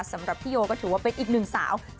สำหรับพี่โยก็ถือว่าเป็นอีกหนึ่งสาว